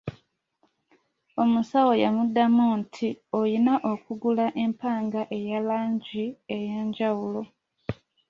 Omusawo yamudamu nti, oyina okugula empanga eya langi ey'enjawulo.